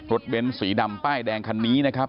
เบ้นสีดำป้ายแดงคันนี้นะครับ